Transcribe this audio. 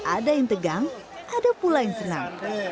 ada yang tegang ada pula yang senang